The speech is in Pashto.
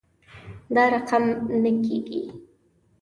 دا رقم نه کیږي